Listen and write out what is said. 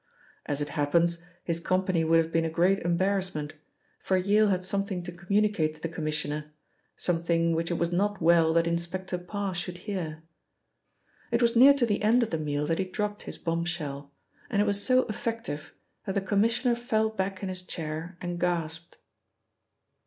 As it happens, his company would have been a great embarrassment, for Yale had something to communicate to the Commissioner, something which it was not well that Inspector Parr should hear. It was near to the end of the meal that he dropped his bombshell, and it was so effective that the Commissioner fell back in his chair and gasped.